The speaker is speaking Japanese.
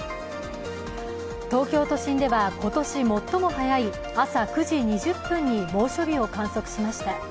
東京都心では今年最も早い朝９時２０分に猛暑日を観測しました。